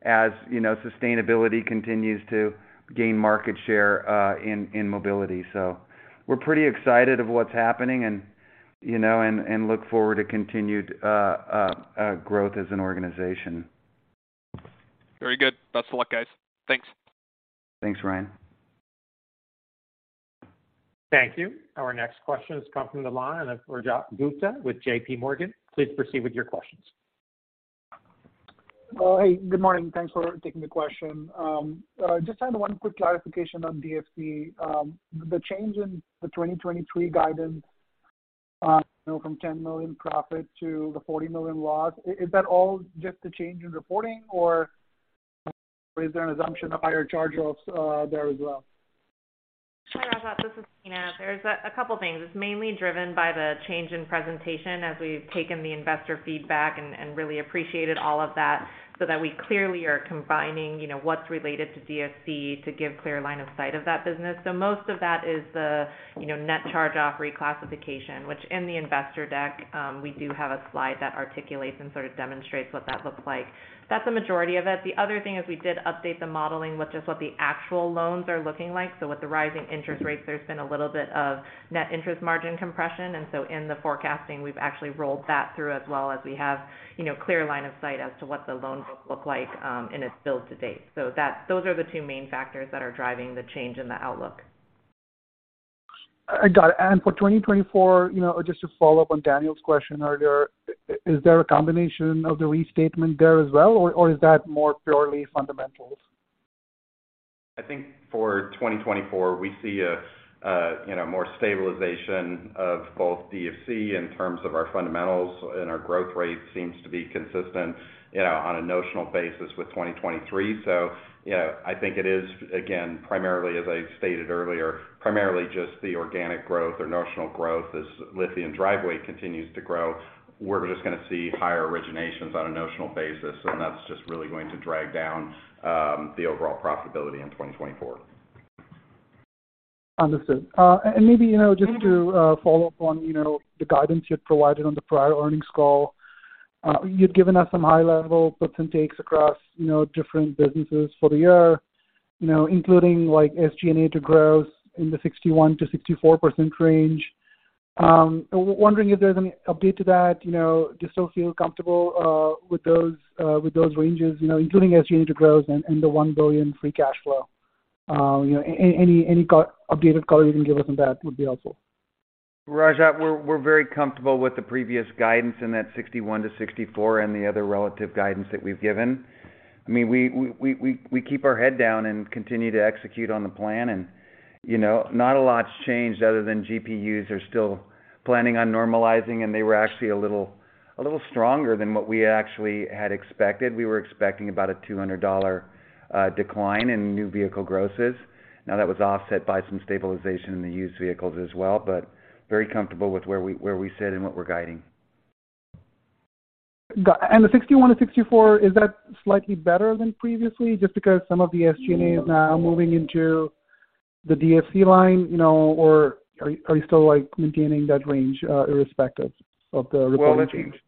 as, you know, sustainability continues to gain market share in mobility. We're pretty excited of what's happening and, you know, look forward to continued growth as an organization. Very good. Best of luck, guys. Thanks. Thanks, Ryan. Thank you. Our next question has come from the line, Rajat Gupta with J.P. Morgan, please proceed with your questions. Well, hey, good morning. Thanks for taking the question. Just had one quick clarification on DFC. The change in the 2023 guidance, you know, from $10 million profit to the $40 million loss, is that all just the change in reporting, or is there an assumption of higher charge-offs there as well? Hi, Rajat, this is Tina. There's a couple things. It's mainly driven by the change in presentation as we've taken the investor feedback and really appreciated all of that so that we clearly are combining, you know, what's related to DFC to give clear line of sight of that business. Most of that is the, you know, net charge-off reclassification, which in the investor deck, we do have a slide that articulates and sort of demonstrates what that looks like. That's the majority of it. The other thing is we did update the modeling, which is what the actual loans are looking like. With the rising interest rates, there's been a little bit of net interest margin compression. In the forecasting, we've actually rolled that through as well as we have, you know, clear line of sight as to what the loans look like, and it's built to date. Those are the two main factors that are driving the change in the outlook. I got it. And for 2024, you know, just to follow up on Daniel's question earlier, is there a combination of the restatement there as well, or is that more purely fundamentals? I think for 2024, we see a, you know, more stabilization of both DFC in terms of our fundamentals and our growth rate seems to be consistent, you know, on a notional basis with 2023. You know, I think it is, again, primarily as I stated earlier, primarily just the organic growth or notional growth as Lithia & Driveway continues to grow. We're just gonna see higher originations on a notional basis, and that's just really going to drag down the overall profitability in 2024. Understood. Maybe, you know, just to follow up on, you know, the guidance you'd provided on the prior earnings call. You'd given us some high-level puts and takes across, you know, different businesses for the year, you know, including like SG&A to growth in the 61%-64% range. Wondering if there's any update to that. You know, do you still feel comfortable with those with those ranges, you know, including SG&A to growth and the $1 billion free cash flow? You know, any updated color you can give us on that would be helpful. Rajat, we're very comfortable with the previous guidance in that 61-64 and the other relative guidance that we've given. I mean, we keep our head down and continue to execute on the plan and, you know, not a lot's changed other than GPUs are still planning on normalizing, and they were actually a little stronger than what we actually had expected. We were expecting about a $200 decline in new vehicle grosses. That was offset by some stabilization in the used vehicles as well, but very comfortable with where we sit and what we're guiding. The 61-64, is that slightly better than previously, just because some of the SG&A is now moving into the DFC line, you know, or are you still, like, maintaining that range, irrespective of the reporting change? Well, let me.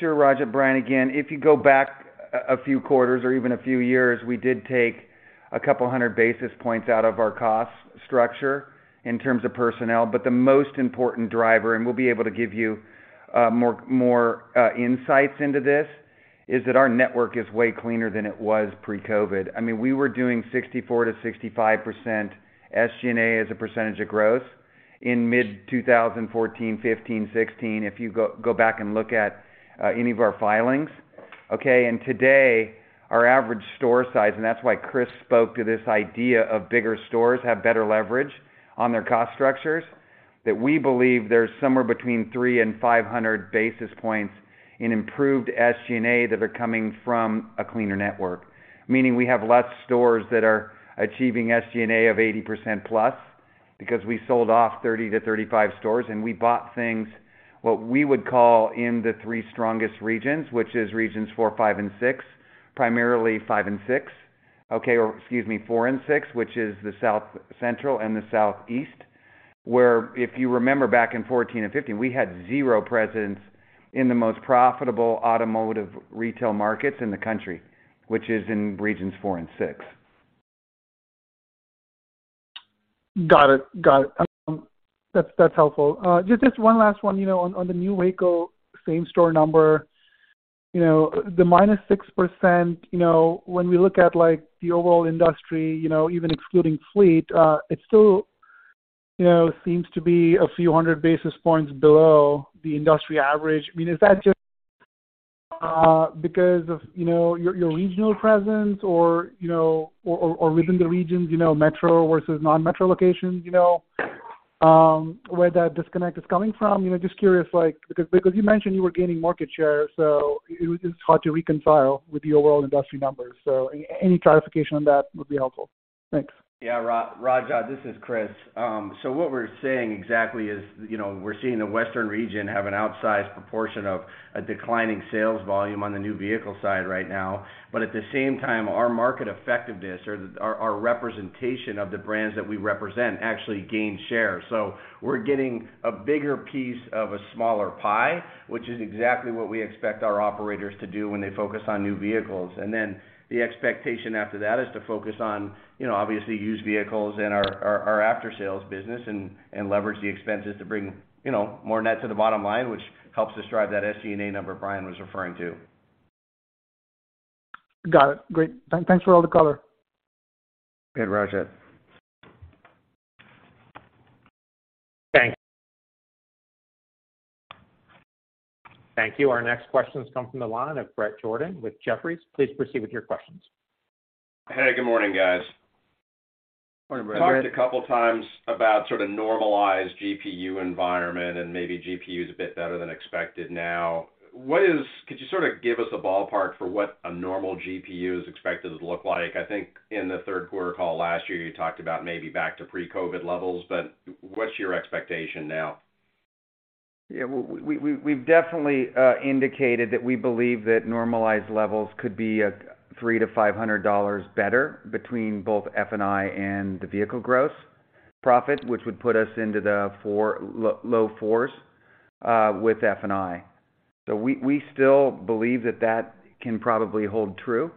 Sure, Rajat. Bryan again. If you go back a few quarters or even a few years, we did take 200 basis points out of our cost structure in terms of personnel. But the most important driver, and we'll be able to give you more insights into this, is that our network is way cleaner than it was pre-COVID. I mean, we were doing 64%-65% SG&A as a percentage of growth in mid-2014, 2015, 2016, if you go back and look at any of our filings, okay? And today, our average store size, and that's why Chris spoke to this idea of bigger stores have better leverage on their cost structures, that we believe there's somewhere between 300 and 500 basis points in improved SG&A that are coming from a cleaner network. Meaning we have less stores that are achieving SG&A of 80%+ because we sold off 30-35 stores and we bought things, what we would call in the three strongest regions, which is regions 4, 5 and 6, primarily 5 and 6. Okay. Excuse me, 4 and 6, which is the South Central and the Southeast, where if you remember back in 2014 and 2015, we had 0 presence in the most profitable automotive retail markets in the country, which is in regions four and six. Got it. Got it. That's helpful. Just one last one, you know, on the new vehicle same store number. You know, the minus 6%, you know, when we look at like the overall industry, you know, even excluding fleet, it still, you know, seems to be a few hundred basis points below the industry average. I mean, is that just because of, you know, your regional presence or, you know, or within the regions, you know, metro versus non-metro locations, you know, where that disconnect is coming from? You know, just curious, like, because you mentioned you were gaining market share, so it was just hard to reconcile with the overall industry numbers. Any clarification on that would be helpful. Thanks. Rajat, this is Chris. What we're saying exactly is, you know, we're seeing the Western region have an outsized proportion of a declining sales volume on the new vehicle side right now. At the same time, our market effectiveness or our representation of the brands that we represent actually gain share. We're getting a bigger piece of a smaller pie, which is exactly what we expect our operators to do when they focus on new vehicles. Then the expectation after that is to focus on, you know, obviously used vehicles and our after sales business and leverage the expenses to bring, you know, more net to the bottom line, which helps us drive that SG&A number Bryan was referring to. Got it. Great. Thanks for all the color. Okay, Rajat. Thank you. Our next questions come from the line of Brett Jordan with Jefferies. Please proceed with your questions. Hey, good morning, guys. Morning, Brett. You talked a couple of times about sort of normalized GPU environment and maybe GPU is a bit better than expected now. Could you sort of give us a ballpark for what a normal GPU is expected to look like? I think in the third quarter call last year, you talked about maybe back to pre-COVID levels, but what's your expectation now? Yeah. We've definitely indicated that we believe that normalized levels could be $300-$500 better between both F&I and the vehicle gross profit, which would put us into the low $4s with F&I. We still believe that that can probably hold true,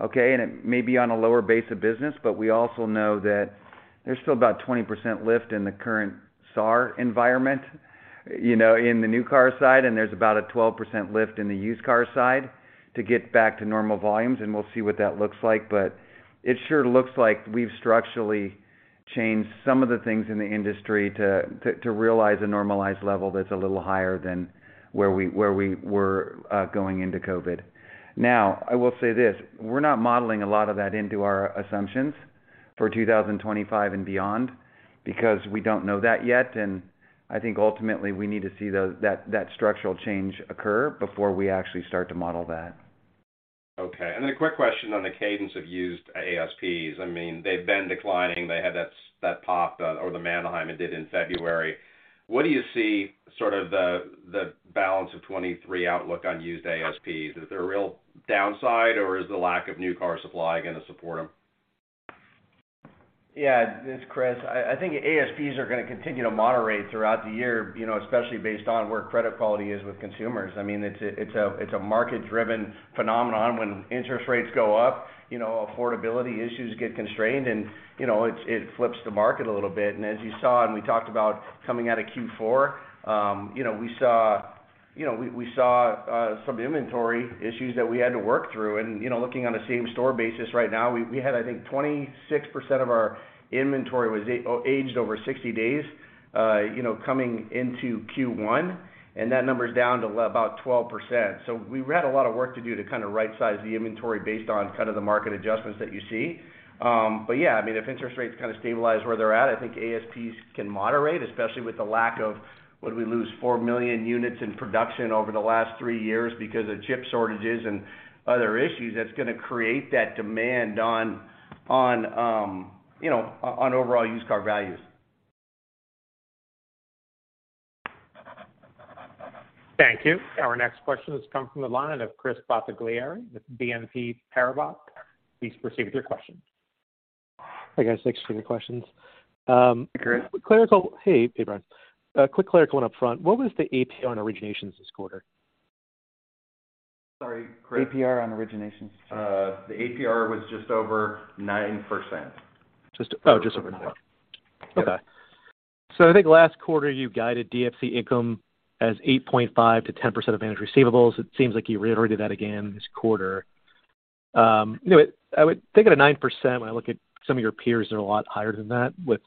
okay? It may be on a lower base of business, but we also know that there's still about 20% lift in the current SAR environment, you know, in the new car side, and there's about a 12% lift in the used car side to get back to normal volumes, and we'll see what that looks like. It sure looks like we've structurally changed some of the things in the industry to realize a normalized level that's a little higher than where we were going into COVID. I will say this, we're not modeling a lot of that into our assumptions for 2025 and beyond because we don't know that yet. I think ultimately we need to see that structural change occur before we actually start to model that. Okay. A quick question on the cadence of used ASPs. I mean, they've been declining. They had that pop, or the Manheim had did in February. What do you see sort of the balance of 2023 outlook on used ASPs? Is there a real downside or is the lack of new car supply gonna support them? Yeah, it's Chris. I think ASPs are gonna continue to moderate throughout the year, you know, especially based on where credit quality is with consumers. I mean, it's a, it's a, it's a market-driven phenomenon. When interest rates go up, you know, affordability issues get constrained and, you know, it flips the market a little bit. As you saw and we talked about coming out of Q4, you know, we saw some inventory issues that we had to work through. You know, looking on a same store basis right now, we had, I think 26% of our inventory was aged over 60 days, you know, coming into Q1, and that number is down to about 12%. We had a lot of work to do to kinda right-size the inventory based on kind of the market adjustments that you see. Yeah, I mean, if interest rates kinda stabilize where they're at, I think ASPs can moderate, especially with the lack of, what did we lose? 4 million units in production over the last 3 years because of chip shortages and other issues that's gonna create that demand on, you know, on overall used car values. Thank you. Our next question has come from the line of Chris Bottiglieri with BNP Paribas. Please proceed with your question. Hi, guys. Thanks for the questions. Hey, Chris. Clerical—hey. Hey, Bryan. A quick clerical one up front. What was the APR on originations this quarter? Sorry, Chris. APR on originations. The APR was just over 9%. Just over 9%? Yeah. Okay. I think last quarter you guided DFC income as 8.5%-10% of managed receivables. It seems like you reiterated that again this quarter. You know what? I would think at a 9%, when I look at some of your peers, they're a lot higher than that, with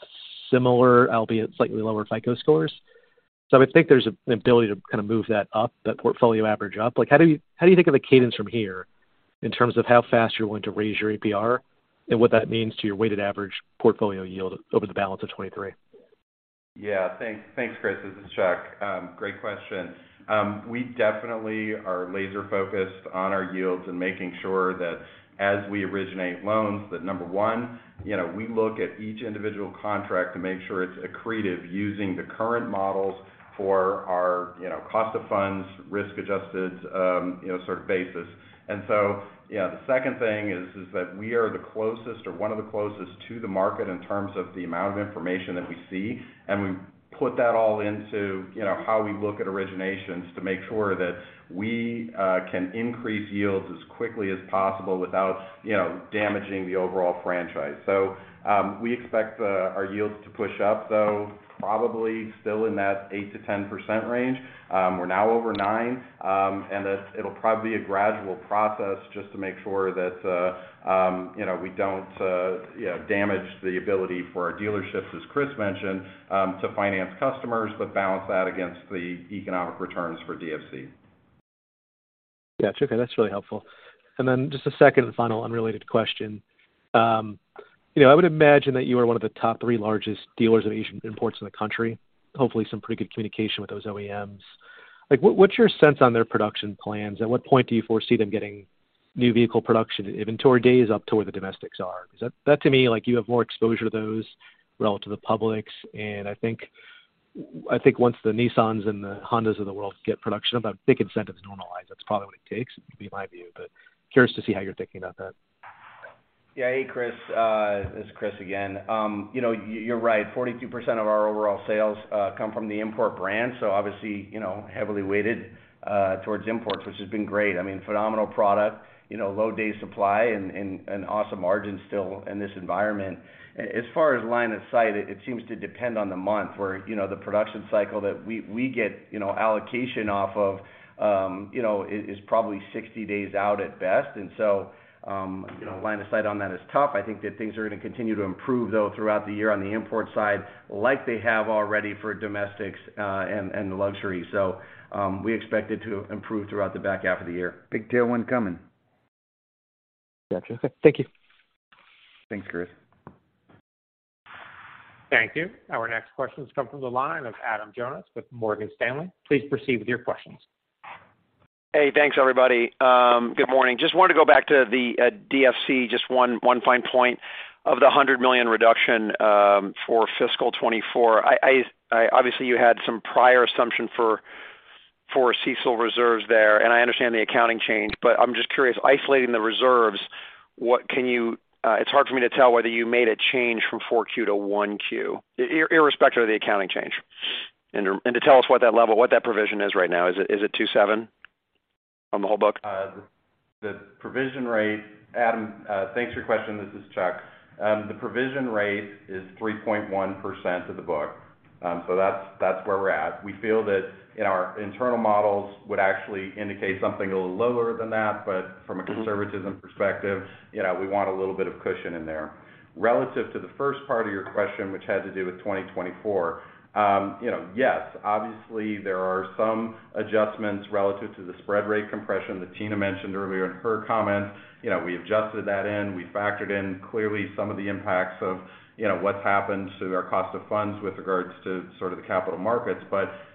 similar, albeit slightly lower FICO scores. I would think there's an ability to kind of move that up, that portfolio average up. Like, how do you, how do you think of the cadence from here in terms of how fast you're going to raise your APR and what that means to your weighted average portfolio yield over the balance of 2023? Yeah. Thanks. Thanks, Chris. This is Chuck. Great question. We definitely are laser-focused on our yields and making sure that as we originate loans, that number one, you know, we look at each individual contract to make sure it's accretive using the current models for our, you know, cost of funds, risk-adjusted, you know, sort of basis. You know, the second thing is that we are the closest or one of the closest to the market in terms of the amount of information that we see, and we put that all into, you know, how we look at originations to make sure that we can increase yields as quickly as possible without, you know, damaging the overall franchise. We expect our yields to push up, though probably still in that 8%-10% range. We're now over 9%. It'll probably be a gradual process just to make sure that, you know, we don't, you know, damage the ability for our dealerships, as Chris mentioned, to finance customers, but balance that against the economic returns for DFC. Gotcha. Okay. That's really helpful. Just a second and final unrelated question. You know, I would imagine that you are one of the top three largest dealers of Asian imports in the country. Hopefully, some pretty good communication with those OEMs. Like, what's your sense on their production plans? At what point do you foresee them getting new vehicle production inventory days up to where the domestics are? That to me, like you have more exposure to those relative to the publics. I think once the Nissans and the Hondas of the world get production about big incentives normalize, that's probably what it takes, would be my view. Curious to see how you're thinking about that. Hey, Chris, this is Chris again. You know, you're right. 42% of our overall sales come from the import brand. Obviously, you know, heavily weighted towards imports, which has been great. I mean, phenomenal product, you know, low day supply and awesome margins still in this environment. As far as line of sight, it seems to depend on the month where, you know, the production cycle that we get, you know, allocation off of, you know, is probably 60 days out at best. So, you know, line of sight on that is tough. I think that things are gonna continue to improve though throughout the year on the import side, like they have already for domestics and luxury. We expect it to improve throughout the back half of the year. Big tailwind coming. Gotcha. Okay. Thank you. Thanks, Chris. Thank you. Our next question has come from the line of Adam Jonas with Morgan Stanley. Please proceed with your questions. Hey, thanks, everybody. Good morning. Just wanted to go back to the DFC, just one fine point. Of the $100 million reduction for fiscal 2024, obviously you had some prior assumption for CECL reserves there, and I understand the accounting change. I'm just curious, isolating the reserves, what can you... it's hard for me to tell whether you made a change from 4Q to 1Q, irrespective of the accounting change. To tell us what that level, what that provision is right now. Is it 2.7 on the whole book? Adam, thanks for your question. This is Chuck. The provision rate is 3.1% of the book. That's where we're at. We feel that in our internal models would actually indicate something a little lower than that, but from a conservatism perspective, you know, we want a little bit of cushion in there. Relative to the first part of your question, which had to do with 2024, you know, yes, obviously there are some adjustments relative to the spread rate compression that Tina mentioned earlier in her comments. You know, we adjusted that in. We factored in clearly some of the impacts of, you know, what's happened to our cost of funds with regards to sort of the capital markets.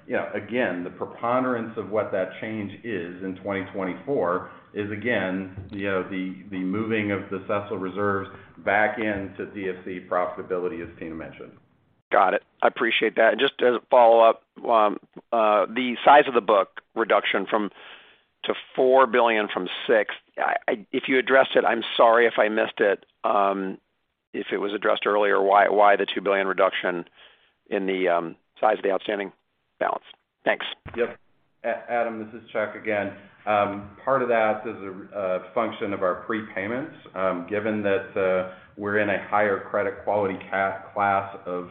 You know, again, the preponderance of what that change is in 2024 is again, you know, the moving of the CECL reserves back into DFC profitability, as Tina mentioned. Got it. I appreciate that. Just as a follow-up, the size of the book reduction from, to $4 billion from $6 billion. If you addressed it, I'm sorry if I missed it. If it was addressed earlier, why the $2 billion reduction in the size of the outstanding balance? Thanks. Yep. Adam, this is Chuck again. Part of that is a function of our prepayments. Given that, we're in a higher credit quality class of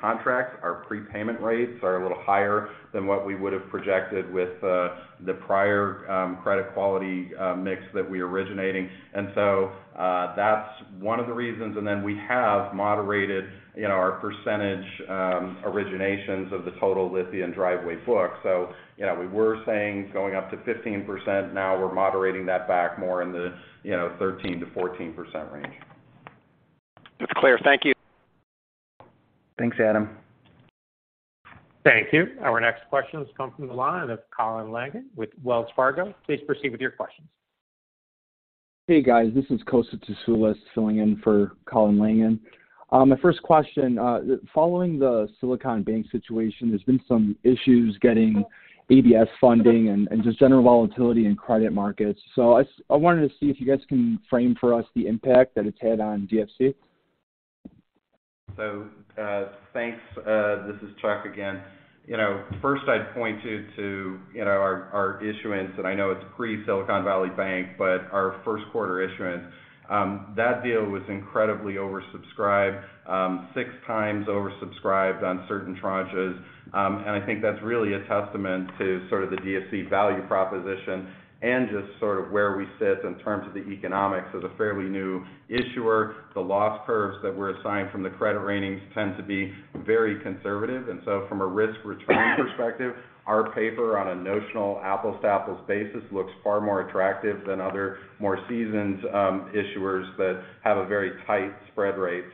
contracts, our prepayment rates are a little higher than what we would have projected with the prior credit quality mix that we're originating. That's one of the reasons. We have moderated, you know, our percentage originations of the total Lithia & Driveway book. You know, we were saying going up to 15%, now we're moderating that back more in the, you know, 13%-14% range. That's clear. Thank you. Thanks, Adam. Thank you. Our next question has come from the line of Colin Langan with Wells Fargo. Please proceed with your questions. Hey guys, this is Kosta Tasoulis filling in for Colin Langan. My first question, following the Silicon Bank situation, there's been some issues getting ABS funding and just general volatility in credit markets. I wanted to see if you guys can frame for us the impact that it's had on DFC. Thanks. This is Chuck again. You know, first I'd point you to, you know, our issuance, and I know it's pre Silicon Valley Bank, but our first quarter issuance. That deal was incredibly oversubscribed, 6x oversubscribed on certain tranches. And I think that's really a testament to sort of the DFC value proposition and just sort of where we sit in terms of the economics. As a fairly new issuer, the loss curves that we're assigned from the credit ratings tend to be very conservative. From a risk-return perspective, our paper on a notional apples-to-apples basis looks far more attractive than other more seasoned issuers that have a very tight spread rate.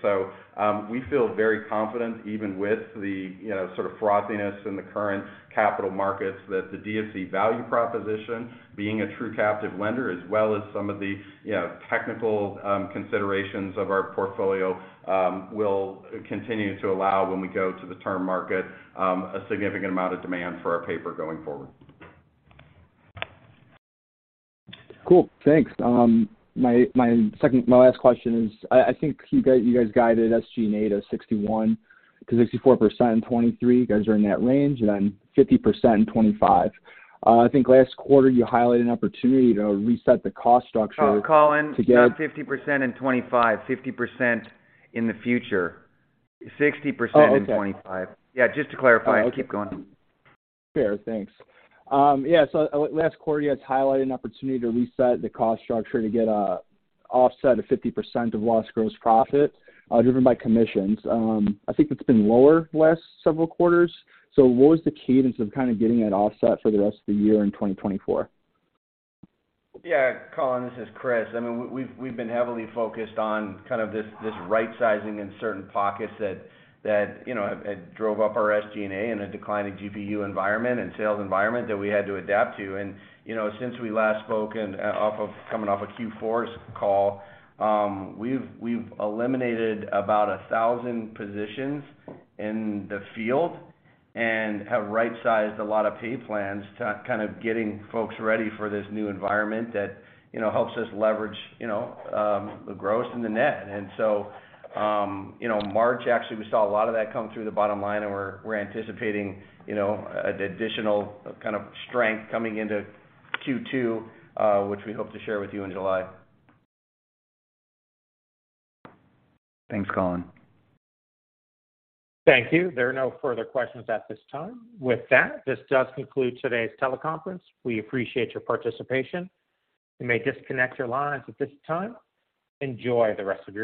We feel very confident even with the, you know, sort of frothiness in the current capital markets, that the DFC value proposition, being a true captive lender, as well as some of the, you know, technical, considerations of our portfolio, will continue to allow when we go to the term market, a significant amount of demand for our paper going forward. Cool, thanks. My last question is, I think you guys guided SG&A to 61%-64% in 2023. You guys are in that range and then 50% in 2025. I think last quarter you highlighted an opportunity to reset the cost structure. Colin, not 50% in 2025. 50% in the future. 60% in 2025. Oh, okay. Yeah, just to clarify. Keep going. Fair. Thanks. Yeah, so last quarter you guys highlighted an opportunity to reset the cost structure to get a offset of 50% of lost gross profit, driven by commissions. I think it's been lower last several quarters. What was the cadence of kind of getting that offset for the rest of the year in 2024? Yeah, Colin, this is Chris. I mean, we've been heavily focused on kind of this right-sizing in certain pockets that, you know, have drove up our SG&A in a declining GPU environment and sales environment that we had to adapt to. You know, since we last spoke and coming off of Q4's call, we've eliminated about 1,000 positions in the field and have rightsized a lot of pay plans to kind of getting folks ready for this new environment that, you know, helps us leverage, you know, the gross and the net. You know, March actually, we saw a lot of that come through the bottom line and we're anticipating, you know, additional kind of strength coming into Q2, which we hope to share with you in July. Thanks, Colin. Thank you. There are no further questions at this time. With that, this does conclude today's teleconference. We appreciate your participation. You may disconnect your lines at this time. Enjoy the rest of your day.